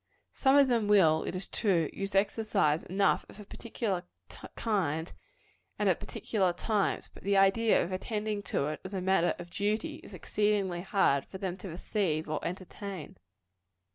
Some of them will, it is true, use exercise enough of a particular kind, and at particular times; but the idea of attending to it as a matter of duty, is exceedingly hard for them to receive or entertain.